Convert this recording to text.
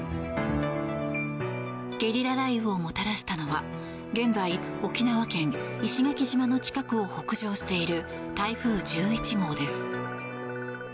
ゲリラ雷雨をもたらしたのは現在、沖縄県石垣島の辺りを北上している台風１１号です。